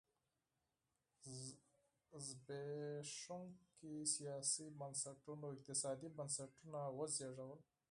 زبېښونکي سیاسي بنسټونو اقتصادي بنسټونه وزېږول.